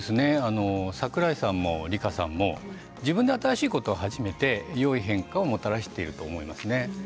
櫻井さんも、りかさんも自分で新しいことを始めてよい変化をもたらしていると思いますね。